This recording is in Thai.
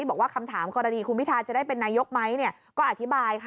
บอกว่าคำถามกรณีคุณพิทาจะได้เป็นนายกไหมก็อธิบายค่ะ